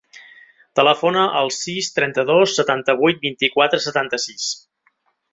Telefona al sis, trenta-dos, setanta-vuit, vint-i-quatre, setanta-sis.